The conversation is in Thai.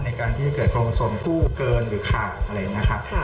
ในการที่จะเกิดโครโมโซมผู้เกินหรือขาดอะไรอย่างนี้นะครับ